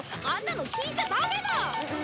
あんなの聞いちゃダメだ！